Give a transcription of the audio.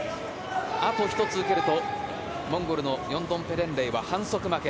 あと１つ受けるとモンゴルのヨンドンペレンレイは反則負け。